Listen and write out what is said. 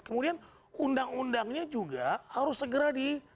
kemudian undang undangnya juga harus segera di